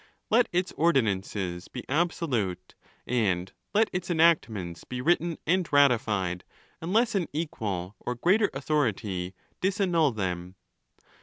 Let its ordinances be absolute, and let its enactments be written and ratified, unless an equal or greater authority dis annul them.